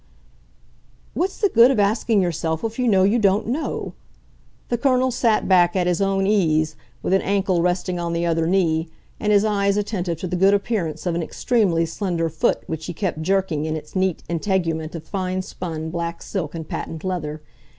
"What's the good of asking yourself if you know you don't know?" The Colonel sat back at his own ease, with an ankle resting on the other knee and his eyes attentive to the good appearance of an extremely slender foot which he kept jerking in its neat integument of fine spun black silk and patent leather.